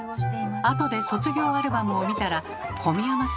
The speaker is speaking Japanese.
後で卒業アルバムを見たら小宮山さんでした。